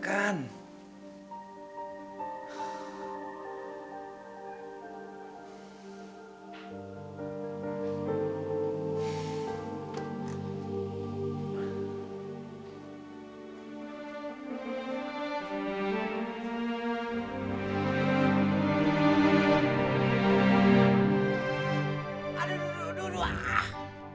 aduh aduh aduh